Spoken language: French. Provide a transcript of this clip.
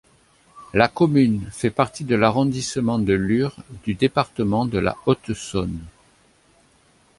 La commune fait partie de l'arrondissement de Lure du département de la Haute-Saône.